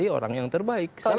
mencari orang yang terbaik